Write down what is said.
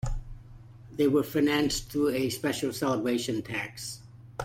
They were financed through a special celebration tax.